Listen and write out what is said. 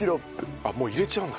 ああもう入れちゃうんだ。